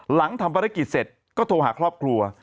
หลังทำภารกิจเสร็จก็โทรหาครอบครัว